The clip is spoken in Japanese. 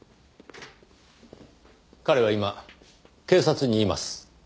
彼は今警察にいます。